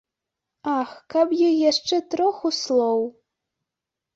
Ах, каб ёй яшчэ троху слоў.